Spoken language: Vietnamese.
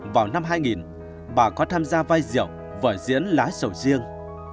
vào năm hai nghìn bà có tham gia vai diệu vở diễn lá sầu riêng